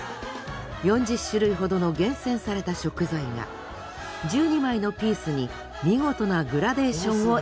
４０種類ほどの厳選された食材が１２枚のピースに見事なグラデーションを描く。